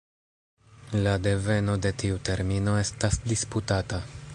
La deveno de tiu termino estas disputata.